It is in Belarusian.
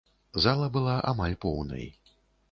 Зала была амаль поўнай.